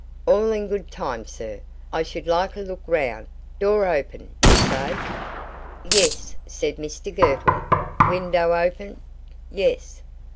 "All in good time, sir. I should like a look round. Door open, you say?" "Yes," said Mr Girtle. "Window open?" "Yes."